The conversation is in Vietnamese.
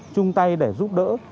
trung tay để giúp đỡ